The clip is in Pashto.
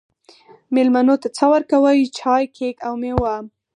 میلمنو ته څه ورکوئ؟ چای، کیک او میوه